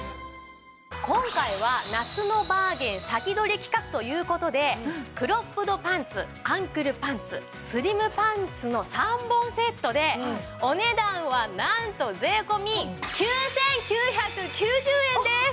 今回は夏のバーゲン先取り企画という事でクロップドパンツアンクルパンツスリムパンツの３本セットでお値段はなんと税込９９９０円です！